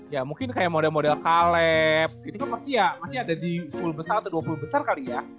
ya mungkin kayak model model kaleb itu kan pasti ya masih ada di sepuluh besar atau dua puluh besar kali ya